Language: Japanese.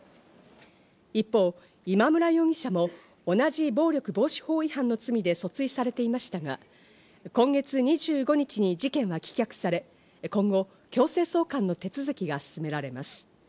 一方、今村容疑者も同じ暴力防止法違反の罪で訴追されていましたが、今月２５日に事件は棄却され、今後、強制送還の手続きが進められます。